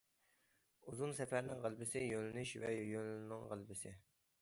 ئۇزۇن سەپەرنىڭ غەلىبىسى يۆنىلىش ۋە يولنىڭ غەلىبىسى.